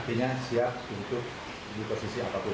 artinya siap untuk di posisi apapun